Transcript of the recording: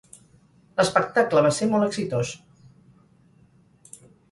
L'espectacle va ser molt exitós.